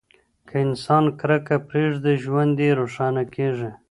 که انسان کرکه پریږدي، ژوند یې روښانه کیږي.